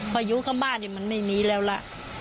พออยู่กับบ้านเนี่ยมันไม่มีแล้วล่ะ